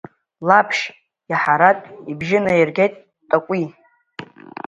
Лаԥшь иаҳартә ибжьы наиргеит ҭакәи.